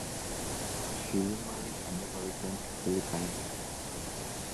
She remarried and never returned to the Philippines.